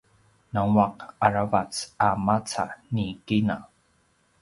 nguaq aravac a maca ni kina